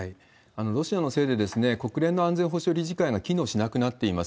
ロシアのせいで、国連の安全保障理事会が機能しなくなっています。